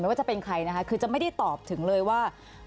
ว่าจะเป็นใครนะคะคือจะไม่ได้ตอบถึงเลยว่า